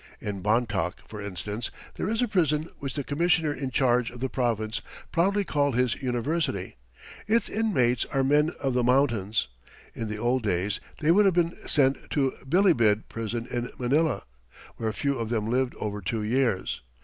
In Bontoc, for instance, there is a prison which the commissioner in charge of the province proudly called his "university." Its inmates are men of the mountains. In the old days they would have been sent to Bilibid prison in Manila, where few of them lived over two years.